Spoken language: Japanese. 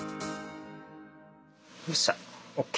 よっしゃＯＫ